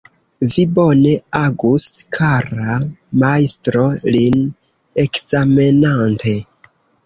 Vi bone agus, kara majstro, lin ekzamenante.